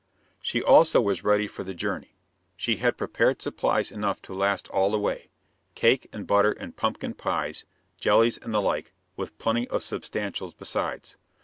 She also was ready for the journey. She had prepared supplies enough to last all the way, cake and butter and pumpkin pies, jellies and the like, with plenty of substantials besides.